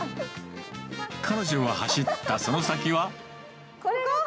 彼女が走ったその先は。